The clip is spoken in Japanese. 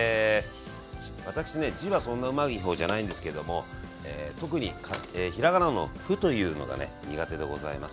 私ね字はそんなうまい方じゃないんですけれども特にひらがなの「ふ」というのがね苦手でございます。